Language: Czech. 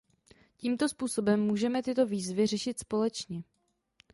Tímto způsobem můžeme tyto výzvy řešit společně.